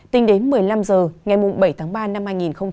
tỉnh đến một mươi năm h ngày bảy tháng ba năm hai nghìn hai mươi hai